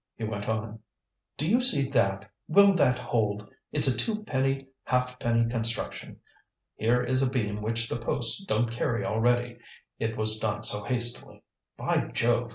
He went on: "Do you see that? Will that hold? It's a twopenny halfpenny construction! Here is a beam which the posts don't carry already, it was done so hastily. By Jove!